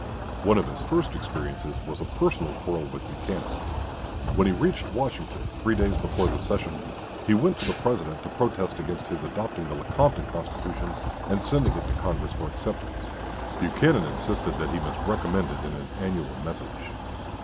One of his first experiences was a personal quarrel with Buchanan. When he reached Washington, three days before the session, he went to the President to protest against his adopting the Lecompton Constitution and sending it to Congress for acceptance. Buchanan insisted that he must recommend it in his annual message.